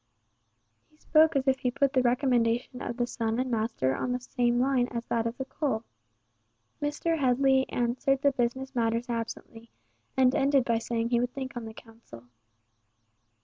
He spoke as if he put the recommendation of the son and master on the same line as that of the coal. Mr. Headley answered the business matters absently, and ended by saying he would think on the council.